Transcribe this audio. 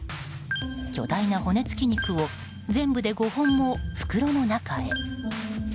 巨大な骨付き肉を全部で５本も袋の中へ。